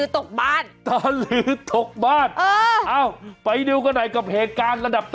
มาบ้านเจ้าเจ้าผู้โอ้ยหันป้องอ่ะเวลาหันตรงไฟฉายด้วย